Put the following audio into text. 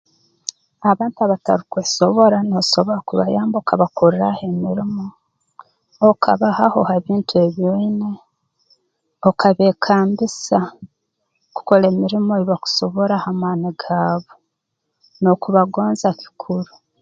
Abantu abatarukwesobora noosobora kubayamba okabakorraaho emirimo okabahaho ha bintu ebi oine okabeekambisa kukora emirimo ei bakusobora ha maani gaabo n'okubagonza kikuru